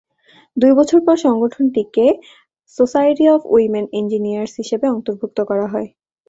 দুই বছর পর সংগঠনটিকে সোসাইটি অব উইমেন ইঞ্জিনিয়ার্স হিসেবে অন্তর্ভুক্ত করা হয়।